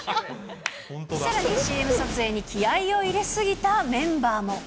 さらに、ＣＭ撮影に気合いを入れ過ぎたメンバーも。